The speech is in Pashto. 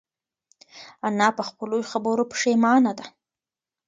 انا په خپلو خبرو پښېمانه ده.